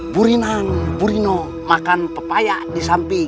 burinan burino makan pepaya di samping